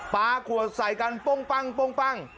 ปลาขวดใส่กันป้องป้างป้องป้าง